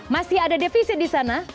masih ada defisit di sana